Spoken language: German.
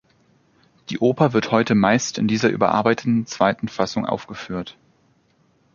Die Oper wird heute meist in dieser überarbeiteten zweiten Fassung aufgeführt.